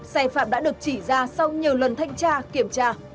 sai phạm đã được chỉ ra sau nhiều lần thanh tra